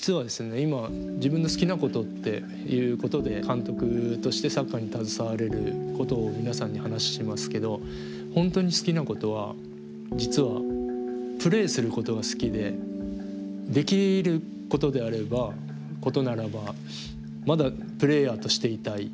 今自分の好きなことっていうことで監督としてサッカーに携われることを皆さんに話しますけど本当に好きなことは実はプレーすることが好きでできることであればことならばまだプレーヤーとしていたい。